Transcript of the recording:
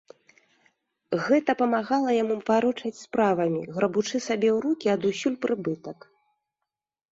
Гэта памагала яму варочаць справамі, грабучы сабе ў рукі адусюль прыбытак.